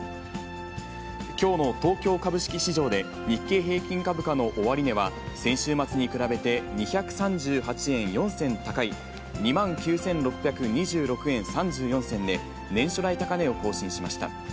きょうの東京株式市場で、日経平均株価の終値は、先週末に比べて２３８円４銭高い２万９６２６円３４銭で、年初来高値を更新しました。